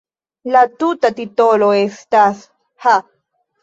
La tuta titolo estas "Ha!